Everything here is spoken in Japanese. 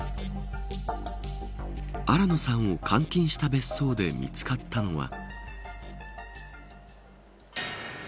新野さんを監禁した別荘で見つかったのは。